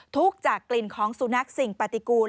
ทุกข์จากกลิ่นของสุนัขสิ่งปฏิกูล